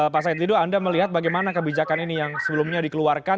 pak said didu anda melihat bagaimana kebijakan ini yang sebelumnya dikeluarkan